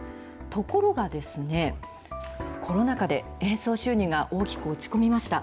ところがですね、コロナ禍で演奏収入が大きく落ち込みました。